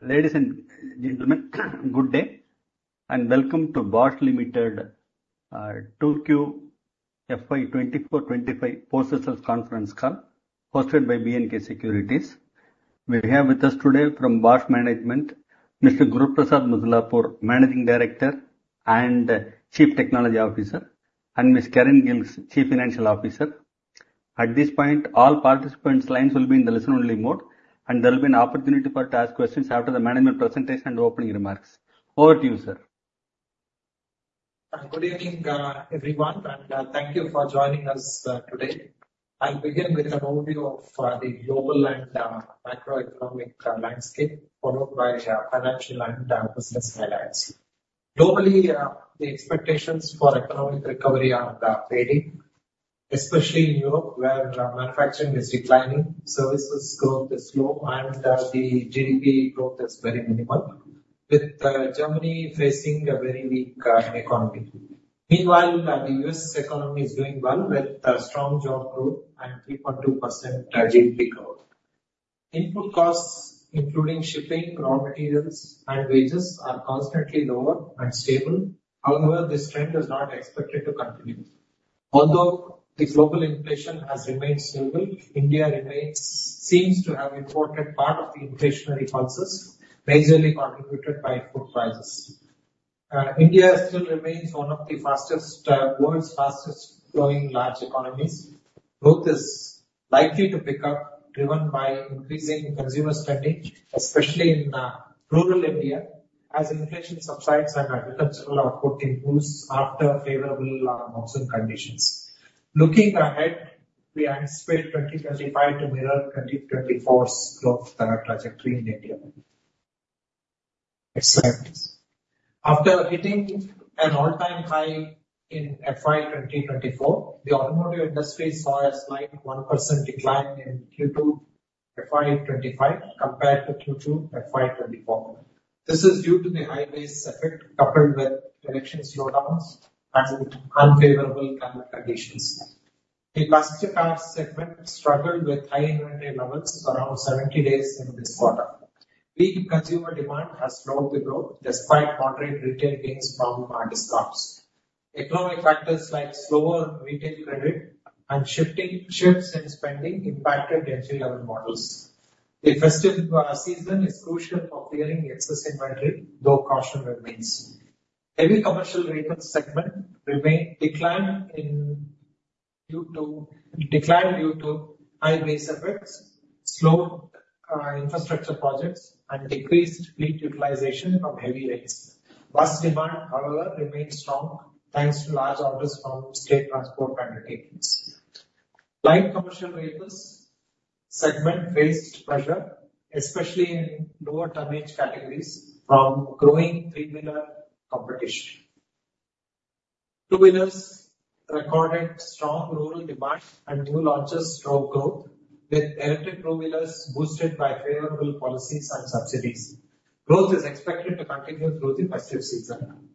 Ladies and gentlemen, good day and welcome to Bosch Limited 2Q FY 2024-2025 post earnings conference call hosted by B&K Securities. We have with us today from Bosch management, Mr. Guruprasad Mudlapur, Managing Director and Chief Technology Officer, and Ms. Karin Gilges, Chief Financial Officer. At this point, all participants' lines will be in the listen-only mode, and there will be an opportunity for you to ask questions after the management presentation and opening remarks. Over to you, sir. Good evening everyone, and thank you for joining us today. I will begin with an overview of the global and macro economic landscape, followed by financial and business highlights. Globally, the expectations for economic recovery are fading, especially in Europe, where manufacturing is declining. Services growth is slow, and the GDP growth is very minimal, with Germany facing a very weak economy. Meanwhile, the U.S. economy is doing well, with strong job growth and 3.2% GDP growth. Input cost, including shipping, raw materials, and wages are constantly lower and stable. However, this trend is not expected to continue. Although, the global inflation has remained stable. India remains, seems to have imported part of the inflationary pulses, majorly contributed by food prices. India still remains one of the fastest world, fastest growing large economies. Growth is likely to pick up, driven by increasing consumer spending, especially in rural India, as inflation subsides and agricultural output improves after favorable conditions. Looking ahead, we anticipate 2025 to mirror 2024 growth trajectory in India. Next slide, after hitting an all-time high in FY 2024, the automotive industry saw a slight 1% decline in Q2 FY 2025, compared to Q2 FY 2024. This is due to the high base effect, coupled with election slowdowns and unfavorable climate conditions. The constructor segment struggles with high inventory levels, around 70 days in this quarter. Weak consumer demand has slowed the growth, despite moderate retail gains from discounts. Economic factors like slower retail credit and shifting ships and spending impacted entry-level models. The festive season is crucial for clearing excess inventory, though caution remains. Heavy commercial vehicle segment remained declined due to decline, due to high base effects, slowed infrastructure projects and decreased fleet utilization from heavy rates. Bus demand, however, remained strong, thanks to large orders from state transport and light commercial vehicles segment faced pressure, especially in lower tonnage categories from growing three wheeler competition. Two wheelers recorded strong rural demand and new launches drove growth, with electric two wheelers boosted by favorable policies and subsidies. Growth is expected to continue through the festive season.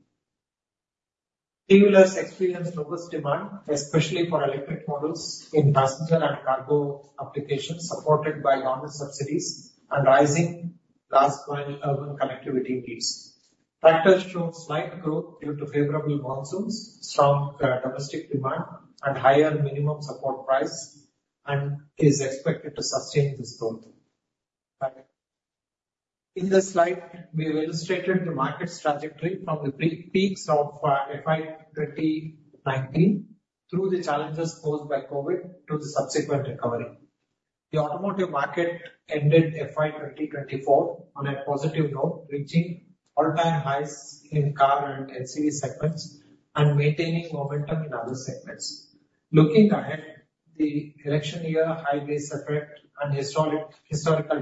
Three wheelers experienced robust demand, especially for electric models in passenger and cargo application, supported by long-term subsidies and rising last point urban connectivity. Tractors showed slight growth, due to favorable monsoons, strong domestic demand and higher minimum support price, and is expected to sustain this growth. In this slide, we illustrated the market's trajectory from the peaks of FY 2019, through the challenges posed by COVID, to the subsequent recovery. The automotive market ended FY 2024 on a positive note, reaching all-time highs in car and LCV segments, and maintained momentum in other segments. Looking ahead, the election year high base effect and historic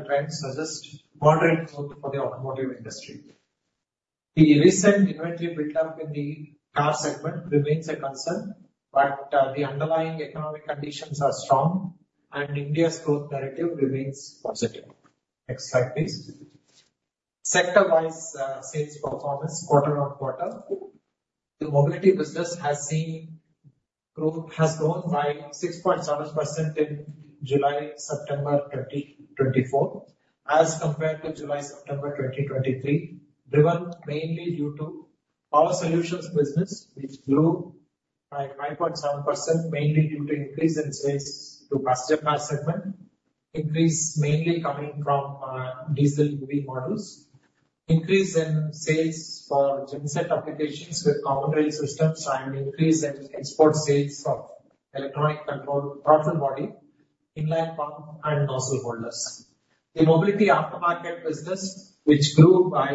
trends suggest moderate growth for the automotive industry. The recent inventory buildup in the car segment remains a concern, but the underlying economic conditions are strong, and India's growth narrative remains positive. Next slide, please. Sector-wise sales performance quarter on quarter. The mobility business has seen growth, has grown by 67% in July-September 2024, as compared to July-September 2023, driven mainly due to power solutions business, which grew by 57%, mainly due to increase in sales to passenger car segment. Increase mainly coming from diesel models, increase in sales for genset applications with common rail systems, and increase in export sales for electronic control throttle body, inland pump and nozzle holders. The mobility aftermarket business, which grew by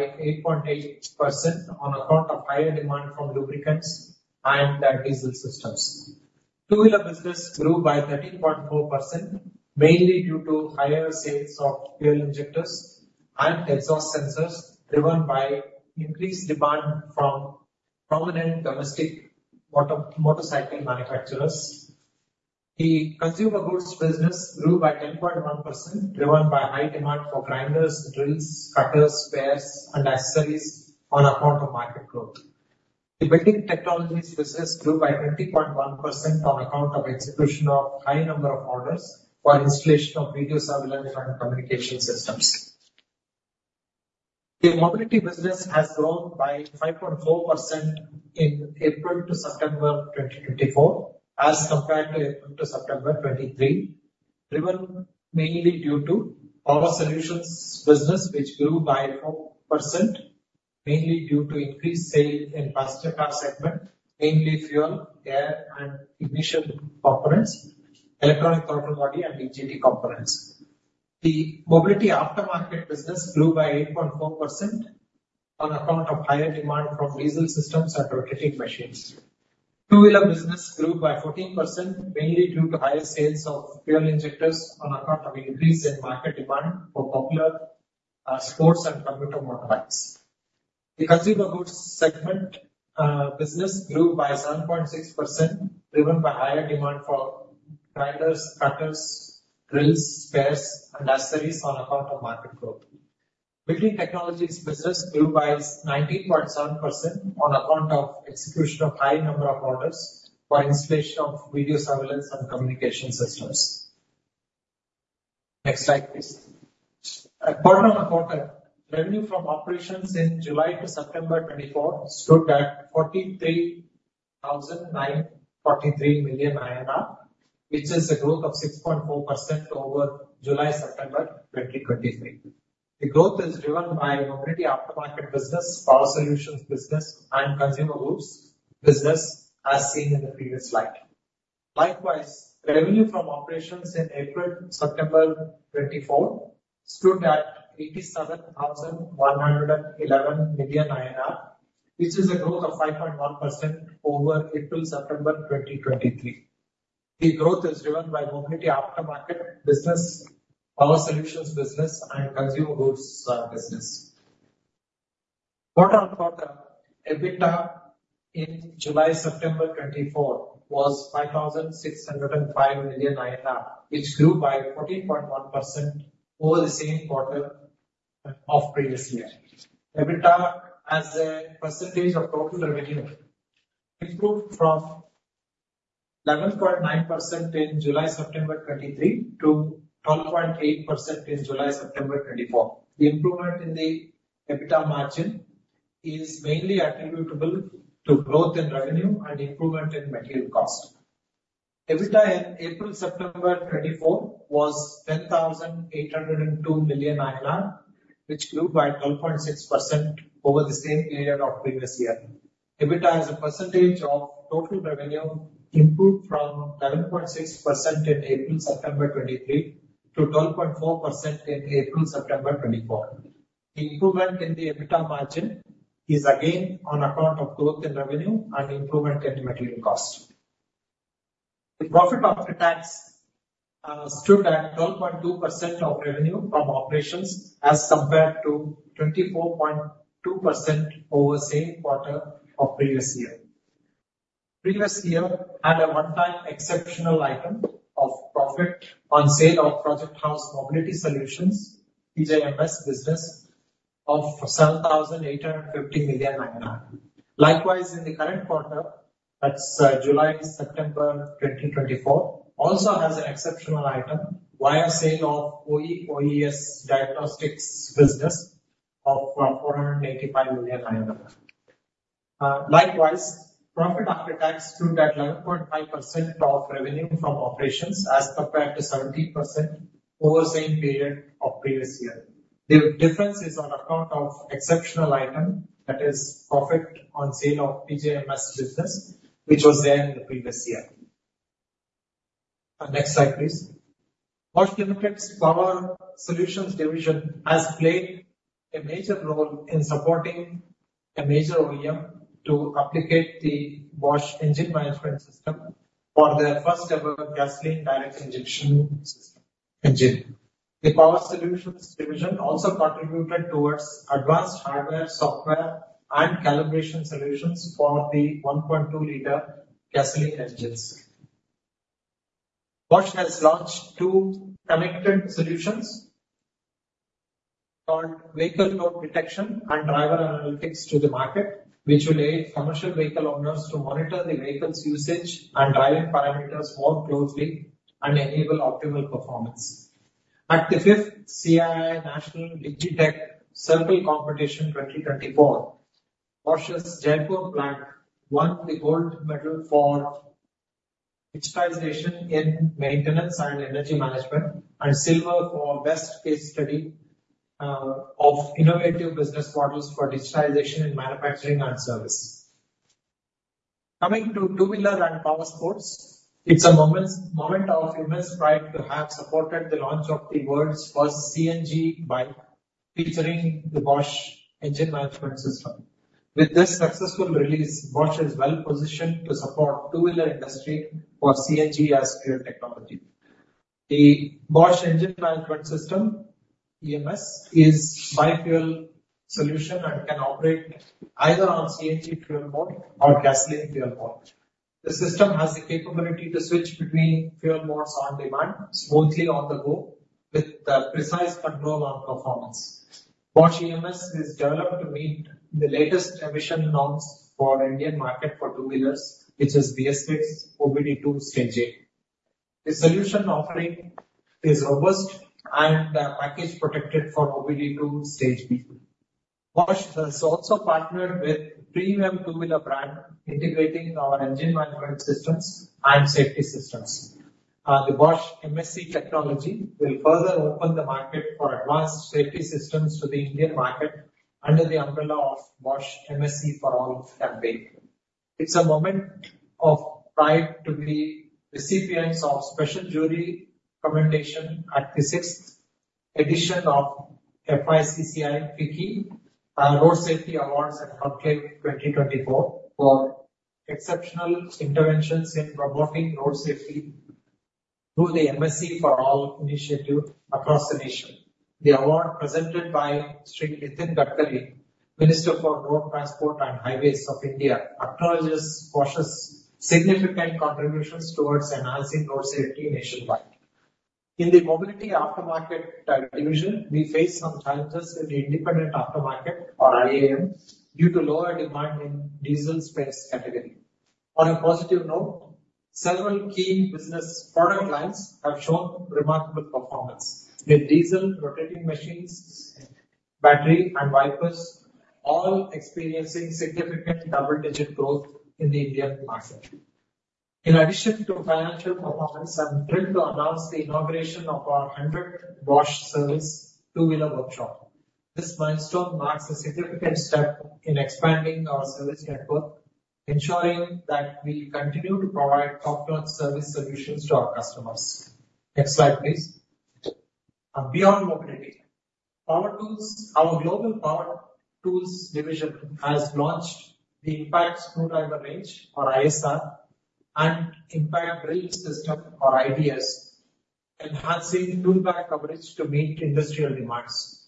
88% on account of higher demand from lubricants and diesel systems. Two wheeler business grew by 134%, mainly due to higher sales of fuel injectors and exhaust sensors, driven by increased demand from prominent domestic motorcycle manufacturers. The consumer goods business grew by 101%, driven by high demand for grinders, drills, cutters, spares and accessories on account of market growth. The building technologies business grew by 201% on account of execution of high number of orders for installation of video service and communication systems. The mobility business has grown by 54% in April to September 2024, as compared to April to September 23, driven mainly due to power solutions business, which grew by 4%, mainly due to increase sales in passenger car segment, mainly fuel, air and ignition components, electronic throttle body and EGR components. The mobility aftermarket business grew by 84% on account of higher demand from diesel systems and rotating machines. Two wheeler business grew by 14%, mainly due to higher sales of fuel injectors on account of increase in market demand for popular sports and commuter motor bikes. The consumer goods segment business grew by 76%, driven by higher demand for riders, cutters, drills, spares and accessories on account of market growth. Building technologies business grew by 197% on account of execution of high number of orders for installation of video surveillance and communication systems. Next slide, please. Quarter on quarter, revenue from operations in July to September 24, stood at 43,943 million INR, which is a growth of 64% over July-September 2023. The growth is driven by mobility aftermarket business, power solutions business and consumer goods business, as seen in the previous slide. Likewise, revenue from operations in April-September 2024, stood at INR 87,110 million, which is a growth of 51% over April-September 2023. The growth is driven by mobility aftermarket business, power solutions business and consumer goods business. Quarter on quarter, EBITA in July-September 2024, was 5,605 million INR, which grew by 141% over the same quarter of previous year. EBITA, as a percentage of total revenue, improved from 11.9% in July-September 2023 to 12.8% in July-September 2024. The improvement in the EBITA margin is mainly attributable to growth in revenue and improvement in material cost. EBITDA in April-September 24, was 10,802 million INR, which grew by 126% over the same period of previous year. EBITDA, as a percentage of total revenue, improved from 11.6% in April-September 23 to 12.4% in April-September 2024. The improvement in the EBITDA margin is again on account of growth in revenue and improvement in material cost. The profit after tax, stood at 12.2% of revenue from operations, as compared to 24.2% over same quarter of previous year. Previous year had a one time exceptional item of profit on sale of project house mobility solutions, PJMS business of 7,850 million. Likewise, in the current quarter, that's July-September 2024, also has an exceptional item via sale of OES diagnostics business of 485 million. Likewise, profit after tax stood at 115% of revenue from operations, as compared to 17% over same period of previous year. The difference is on account of exceptional item that is profit on sale of PGMS business, which was there in the previous year. Next slide, please. Bosch Limited Power Solutions Division has played a major role in supporting a major OEM to applicate the Bosch engine management system for their first ever gasoline direct injection system engine. The Power Solutions Division also contributed towards advanced hardware, software and calibration solutions for the 12 liter gasoline engines. Bosch has launched two connected solutions called Vehicle Load Detection and Driver Analytics to the market, which will aid commercial vehicle owners to monitor the vehicle's usage and driving parameters more closely and enable optimal performance. At the fifth CII National Digitech Circle Competition 2024, Bosch's Jaipur plant won the gold medal for digitization in maintenance and energy management and silver for best case study of innovative business models for digitization in manufacturing and services. Coming to two-wheeler and power sports, it's a moment of immense pride to have supported the launch of the world's first CNG bike, featuring the Bosch engine management system. With this successful release, Bosch is well positioned to support two-wheeler industry for CNG as fuel technology. The Bosch engine management system EMS is bi-fuel solution and can operate either on CNG fuel mode or gasoline fuel mode. The system has the capability to switch between fuel modes on demand, smoothly on the go, with the precise control on performance. Bosch EMS is developed to meet the latest emission norms for Indian market for two wheelers, which is BS 6 OBD 2 Stage A. The solution offering is robust and package protected for OBD 2 Stage B. Bosch has also partnered with premium two wheeler brand, integrating our engine management systems and safety systems. The Bosch MSC technology will further open the market for advanced safety systems to the Indian market under the umbrella of Bosch MSC for all campaign. It's a moment of pride to be recipients of special jury commendation at the sixth edition of FICCI PKI Road Safety Awards and Hall 2024 for exceptional interventions in promoting road safety through the MSC for all initiative across the nation. The award presented by Shri Nitin Gadkari, Minister for Road Transport and Highways of India, acknowledges Bosch's significant contributions towards enhancing road safety nation wide. In the Mobility Aftermarket Division, we face some challenges in the Independent Aftermarket or IAM due to lower demand in diesel space category. On a positive note, several key business product lines have shown remarkable performance with diesel rotating machines, battery and wipers, all experiencing significant double digit growth in the Indian market. In addition to financial performance, I am proud to announce the inauguration of our 100th Bosch Service Two Wheeler Workshop. This milestone marks a significant step in expanding our service network, ensuring that we continue to provide top notch service solutions to our customers. Next slide, please. Beyond mobility power tools, our Global Power Tools Division has launched the Impact Screw Driver range or ISDR and Impact Drill System or IDS, enhancing tool back coverage to meet industrial demands.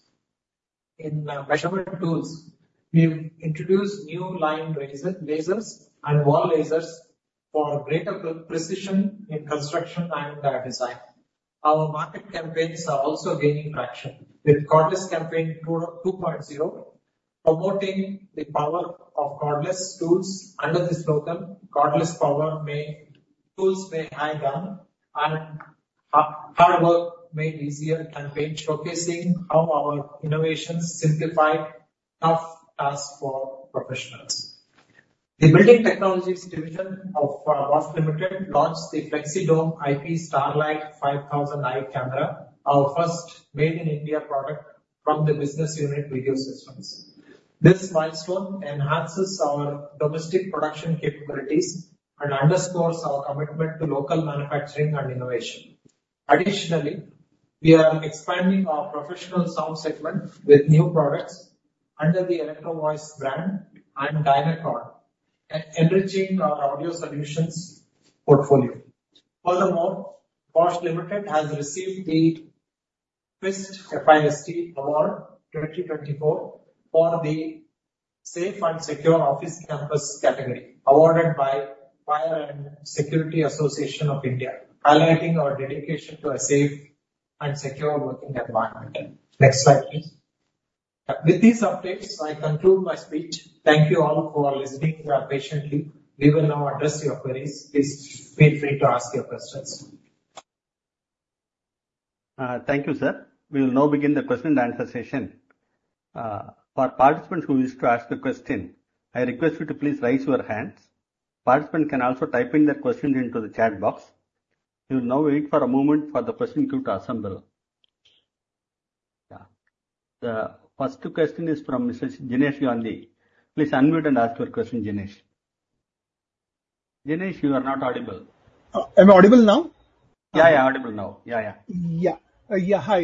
In measurement tools, we have introduced new line lasers and wall lasers for greater precision in construction and design. Our market campaigns are also gaining traction with Cordless Campaign 2.0, promoting the power of cordless tools under this local cordless power. May tools may high gun and hard work made easier campaign, showcasing how our innovations simplify tough tasks for professionals. The Building Technologies Division of Bosch Limited launched the Flexidome IP starlight 5000 AI camera, our first made in India product from the business unit Video Systems. This milestone enhances our domestic production capabilities and underscores our commitment to local manufacturing and innovation. Additionally, we are expanding our professional sound segment with new products under the Electro-Voice brand and Dynacord, enriching our audio solutions portfolio. Furthermore, Bosch Limited has received the FIST Award 2024 for the Safe and Secure Office Campus category, awarded by Fire and Security Association of India, highlighting our dedication to a safe and secure working environment. Next slide, please. With this updates, I continue my speech. Thank you all for listening patiently. Will now address your queries. Please feel free to ask your questions. Thank you sir. Will now begin the question and answer session. For participants who wish to ask a question, I request you to please raise your hands. Participant can also type in the questions into the chat box. Will now wait for a moment for the question queue to assemble. The first question is from Mister Jinesh Gandhi. Please unmute and ask your question, Jinesh. Jinesh, you are not audible. I am audible now? Yes yes, audible now. Yeah. Yeah. Hi,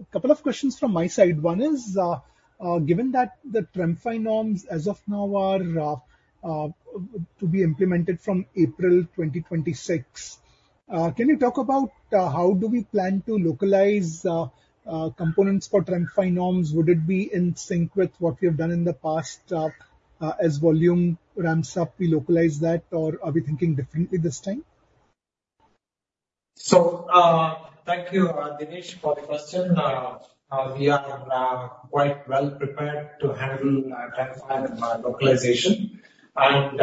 a couple of questions from my side. One is given that TREM finance as of now to be implemented from April 2026. Can you talk about how do we plan to localize components for TREM finance? Would it be in synch with what you've done in the past as volume runs up localize that or been this thing? So, thank you Jinesh for the question, we have quite well prepare to handle the assignment for TREM localization, and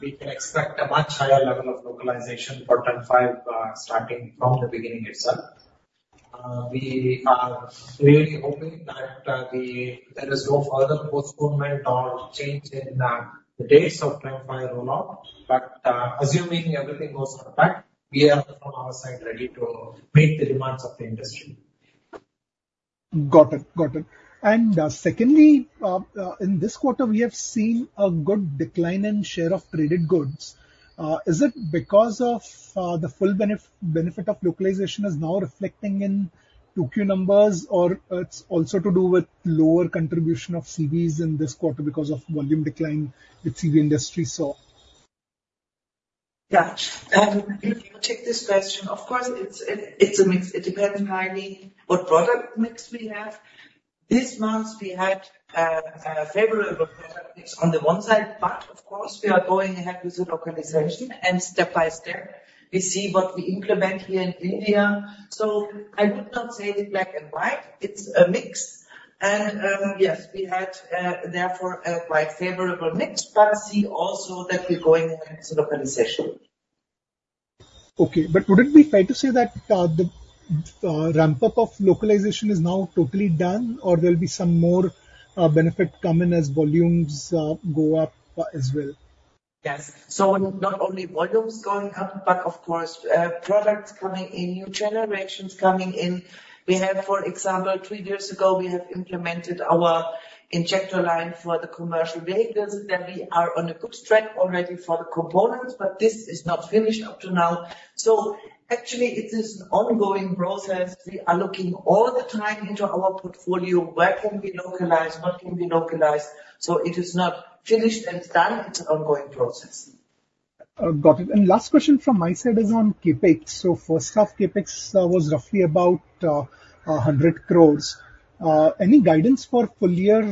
we can expect much higher level of localization for 2025 starting from the beginning itself. Nearly open for the scope movement or change in the days with movement. But assuming everything was in effect, we are on our side ready to make the demands in the industry. Got it, got it. And secondly, in this quarter, we have seen a good decline in share of credit goods. Is it because of the full benefit of localization is now reflecting in 2Q numbers, or it's also to do with lower contribution of CVs in this quarter, because of volume decline with CV industry? So, yeah, you take this question. Of course, it's a mix. It depends highly what product mix we have. This month, we had favorable product mix on the one side. But, of course, we are going ahead with the localization, and step by step, we see what we implement here in India. So, I would not say the black and white. It's a mix, and yes, we had there for a quite favorable mix. But, see also that we are going ahead with the localization. Okay, but wouldn't be fair to say that the ramp up of localization is now totally done, or there will be some more benefit coming as volumes go up as well? Yes, so, not only volumes going up, but of course, products coming in, new generations coming in. We have, for example, three years ago, we have implemented our injector line for the commercial vehicles. That we are on a good streak already for the components, but this is not finished up to now. So, actually, it is an ongoing process. We are looking all the time into our portfolio, where can we localize, what can we localize. So, it is not finished and done. It's an ongoing process. Got it. And last question from my side is on CapEx. So, first half CapEx was roughly about 100 crores. Any guidance for full year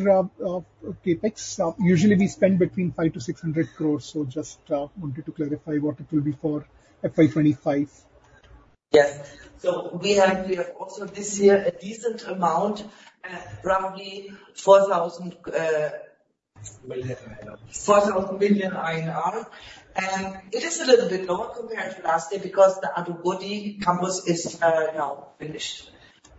CapEx? Usually, we spend between 5 crores- 600 crores. So, just wanted to clarify what it will be for FY 2025. Yes, so, we have, we have also this year a decent amount, roughly 4,000 million INR. And it is a little bit lower compared to last year, because the auto body campus is now finished.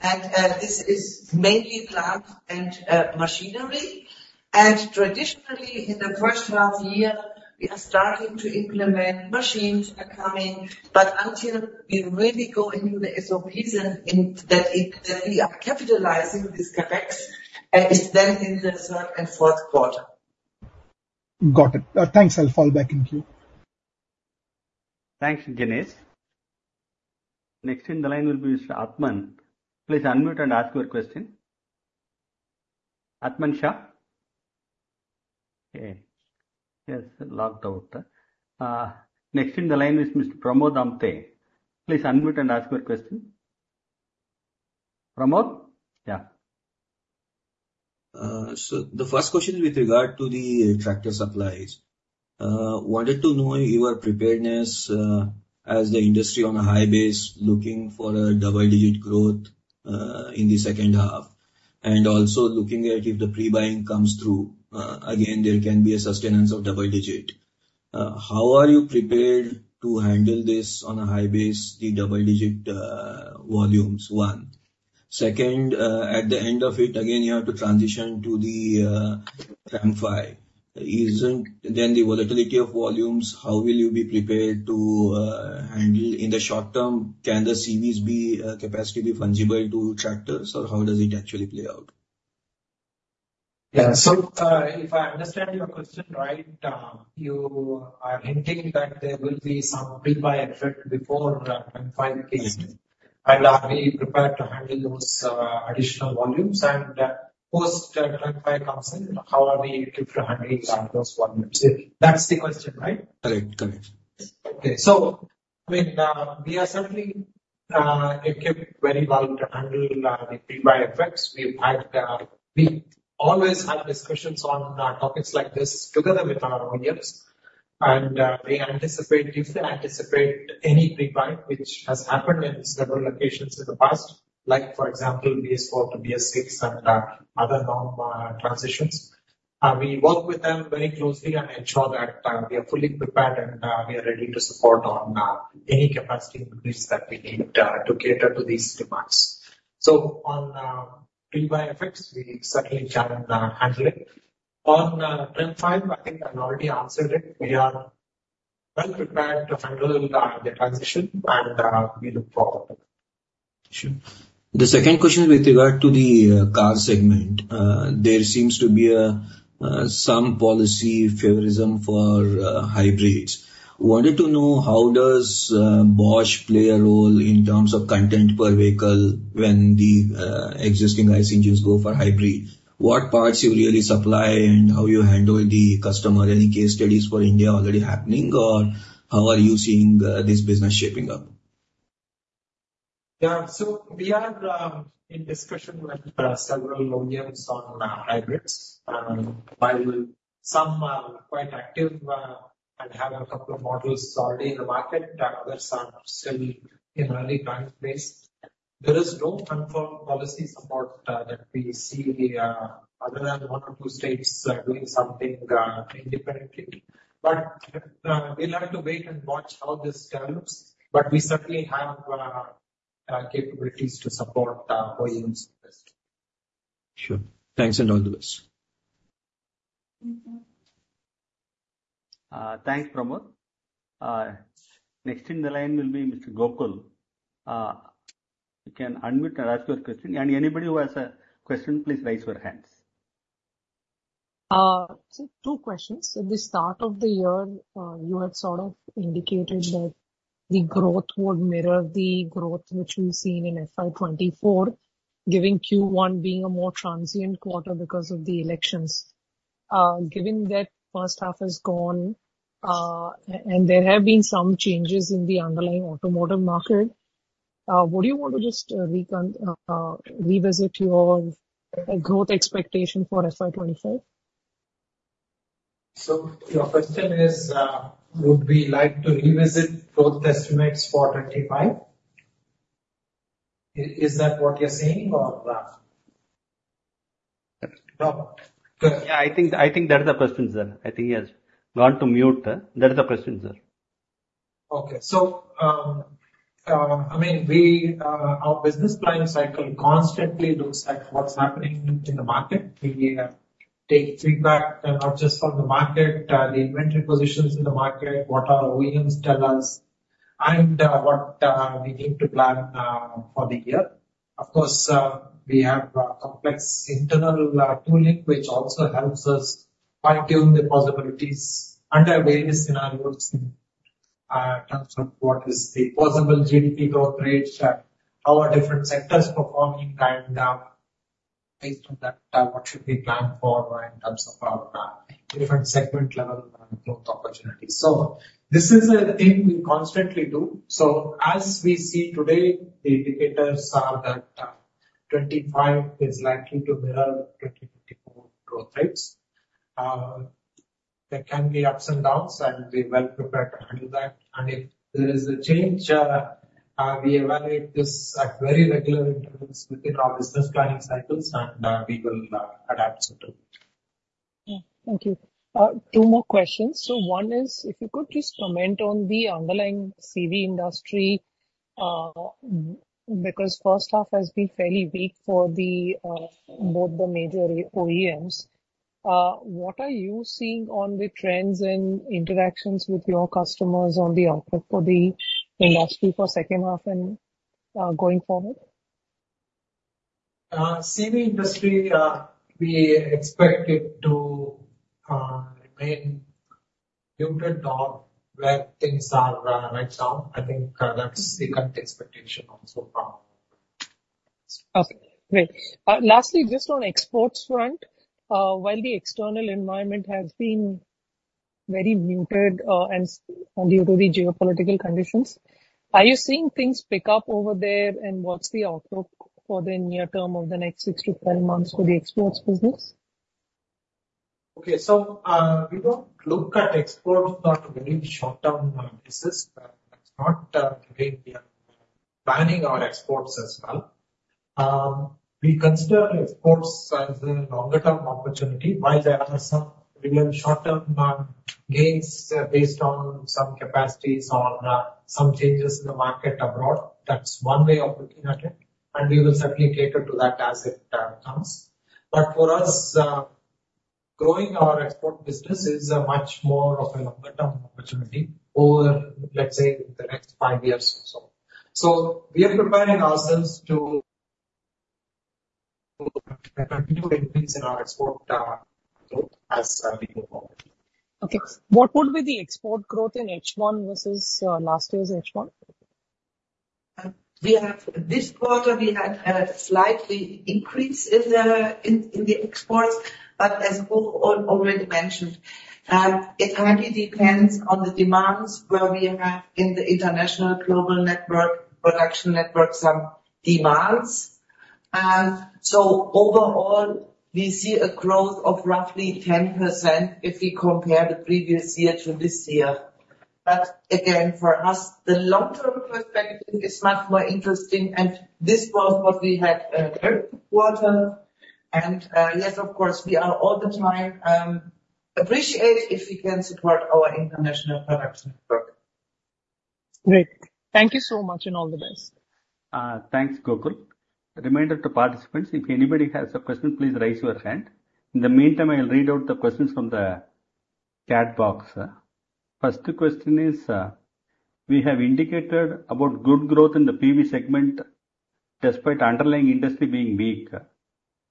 And this is mainly plant and machinery. And traditionally, in the first half year, we are starting to implement machines. But, until we really go into the SOPs and that we are capitalizing this CapEx, it's then in the third and fourth quarter. Got it. Thanks. I will follow back in queue. Thanks, Jinesh. Next in the line will be Mister Atman. Please unmute and ask your question. Atman Shah, okay? Yes, locked out. Next in the line is Mister Pramod then. Please unmute and ask your question. Pramod, yeah. So, the first question is with regard to the tractor supplies. I wanted to know your preparedness as the industry on a high base, looking for a double digit growth in the second half. And also looking at if the pre buying comes through again, there can be a sustenance of double digit. How are you prepared to handle this on a high base? The double digit volumes one. Second, at the end of it, again, you have to transition to the TREM V. Is then the volatility of volumes? How will you be prepared to handle in the short term? Can the CVs be capacity be fungible to tractors? Or how does it actually play out? Yeah, so, if I understand your question right, you are hinting that there will be some pre buy effect before TREM V case. And are we prepared to handle those additional volumes? And post TREM V comes in, how are we equipped to handle those volumes? That's the question, right? Correct, correct. Okay, so, I mean, we are surely equipped very well to handle the pre-buy effects. We have, we always have discussions on topics like this together with our audience. And we anticipate, if they anticipate any pre-buy, which has happened in several locations in the past, like for example, BS4 to BS6 and other norm transitions. We work with them very closely and ensure that we are fully prepared and we are ready to support on any capacity increase that we need to cater to this demands. So, on pre-buy effects, we surely can handle it. On TREM V, I think I already answered it. We are well prepared to handle the transition and we look forward to that. The second question with regard to the car segment, there seems to be a policy favoritism for hybrids. Wanted to know, how does Bosch play a role in terms of content per vehicle when the existing ICE engines go for hybrid? What parts you really supply and how you handle the customer? Any case studies for India already happening? Or how are you seeing this business shaping up? Yes, so, we are in discussion with several OEMs on hybrids. While some are quite active and have a couple of models already in the market, and others are still in early trying phase. There is no confirmed policy support that we see other than one or two states are doing something independently. But, will have to wait and watch how this develops. But, we surely have capabilities to support the OEM. Sure, thanks and all the best. Thanks, Pramod. Next in the line will be Mister Gokul. You can unmute and ask your question. And anybody who has a question, please raise your hands. So, two questions. In the start of the year, you have sort of indicated that the growth would mirror the growth which we seen in FY 2024, giving Q1 being a more transient quarter because of the elections. Given that first half is gone, and there have been some changes in the underlying automotive market. What you want to just revisit your growth expectation for FY 2025? So, your question is, would be like to revisit growth estimates for 2025? Is that what you are saying? Or no? Yeah, I think, I think that is the question, sir. I think he has gone to mute. That is the question, sir. Okay, so, I mean, we our business planning cycle constantly looks at what's happening in the market. We take feedback, not just from the market, the inventory positions in the market, what our OEMs tell us, and what we need to plan for the year. Of course, we have complex internal tooling, which also helps us fine tune the possibilities under various scenarios in terms of what is the possible GDP growth rates, and how are different sectors performing. Based on that, what should we plan for in terms of our different segment level growth opportunities. So, this is a thing we constantly do. So, yes, we see today, the indicators are that 2025 is likely to mirror 2024 growth rates. There can be ups and downs, and we well prepared to handle that. And if there is a change, we evaluate this at very regular intervals within our business planning cycles, and we will adapt suitably. Thank you. Two more questions. So, one is, if you could please comment on the underlying CV industry, because first half has been fairly weak for both the major OEMs. What are you seeing on the trends and interactions with your customers on the outlook for the industry for second half and going forward? CV industry, we expected to remain muted or where things are right now. I think that's the current expectation also from. Okay, great. Lastly, just on exports front, while the external environment has been very muted and due to the geopolitical conditions, are you seeing things pick up over there? And what's the outlook for the near term of the next six to 12 months for the exports business? Okay, so, we don't look at exports on very short term basis. That's not planning our exports as well. We consider exports as a longer term opportunity, while there are some real short term gains based on some capacities or some changes in the market abroad. That's one way of looking at it, and we will surely cater to that as it comes. But for us, growing our export business is much more of a longer term opportunity over, let's say, the next five years. So, we are preparing ourselves to continue to increase in our export growth as we go forward. Okay, what would be the export growth in H1 versus last year's H1? We have this quarter, we have a slightly increase in the in the exports, but as who already mentioned, it hardly depends on the demands where we have in the international global network production network some demands. And so, overall, we see a growth of roughly 10% if we compare the previous year to this year. But again, for us, the long term perspective is much more interesting, and this was what we had early quarter. And yes, of course, we are all the time appreciate if we can support our international production work. Great, thank you so much, and all the best. Thanks, Gokul. Reminder to participants, if anybody has a question, please raise your hand. In the mean time, I will read out the questions from the chat box. First question is, we have indicated about good growth in the PV segment, despite underlying industry being weak.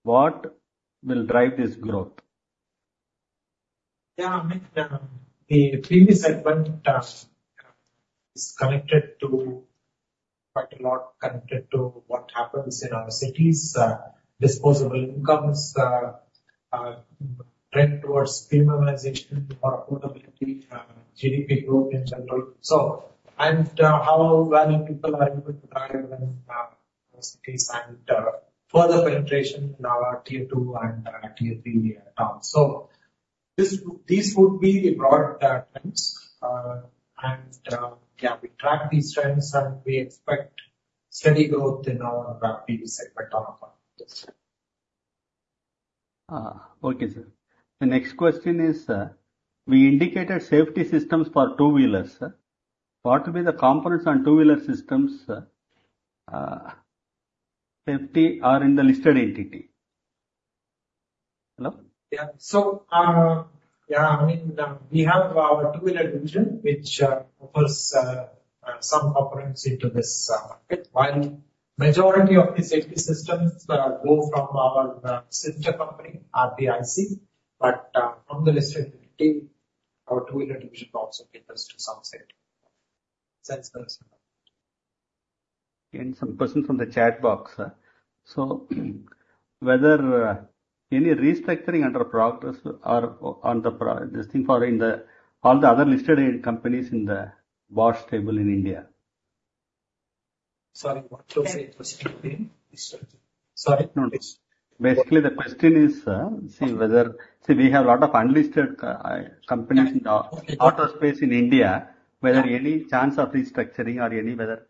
What will drive this growth? Yeah, I mean, the PV segment is connected to quite a lot, connected to what happens in our cities, disposable incomes, trend towards feminization, more affordability, GDP growth in general. So, and how well people are able to drive cities and for the penetration in our Tier 2 and Tier 3 terms. So, this would be the broad trends, and yeah, we track this trends, and we expect steady growth in our PV segment on our. Okay, sir, the next question is, we indicated safety systems for two wheelers. What to be the components on two wheeler systems? Are safety are in the listed entity? Hello, yeah, so, are yeah, I mean, we have our two wheeler division, which offers some components in to this market, while majority of the safety systems go from our sister company RBIC. But from the listed entity, our two wheeler division also caters to some center. Sense, okay, and some question from the chat box. So, whether any restructuring under practice or on the this thing for in the all the other listed companies in the Bosch table in India? Sorry, sorry, basically, the question is, see whether, see, we have lot of unlisted companies in the auto space in India. Whether any chance of restructuring or any whether?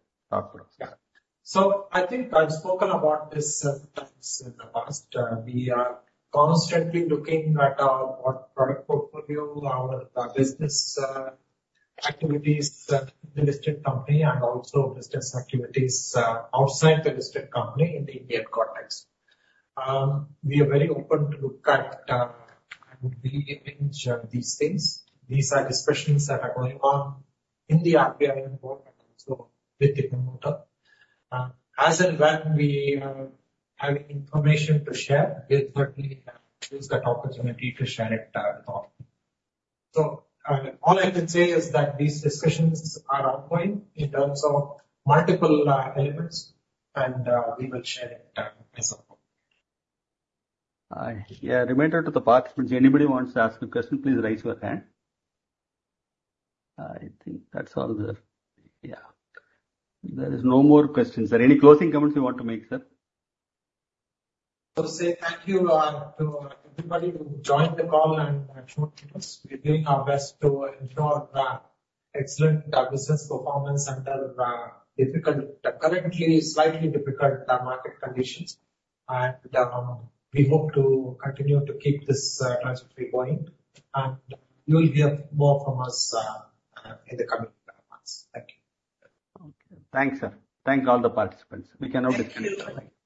So, I think I have spoken about this in the past. We are constantly looking at our product portfolio, our business activities in the listed company, and also business activities outside the listed company in the Indian context. We are very open to look at and re arrange this things. These are discussions that are going on in the RBI and so with Indot. Yes, and when we have information to share, we will surely use that opportunity to share it with all. So, all I can say is that these discussions are ongoing in terms of multiple elements, and we will share it as. Yeah, reminder to the participants, anybody wants to ask a question, please raise your hand. I think that's all there. Yeah, there is no more questions. Are any closing comments you want to make, sir? So, say thank you to everybody to join the call and show. We are doing our best to ensure the excellent business performance under difficult, currently slightly difficult market conditions. And we hope to continue to keep this transition going, and you will hear more from us in the coming months. Thank you. Okay, thanks, sir. Thanks all the participants. We can now disconnect.